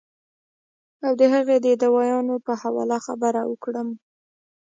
او د هغې د دوايانو پۀ حواله خبره اوکړم